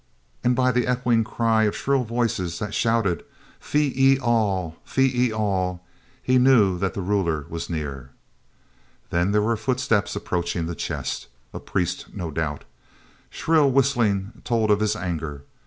And, by the echoing cry of shrill voices that shouted, "Phee e al! Phee e al!" he knew that the ruler was near. Then there were footsteps approaching the chest. A priest no doubt; shrill whistling told of his anger.